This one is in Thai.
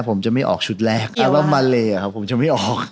ผมจะไม่ออกชุดแรกแปลว่ามาเลครับผมจะไม่ออก